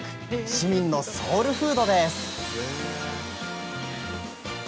市民のソウルフードです。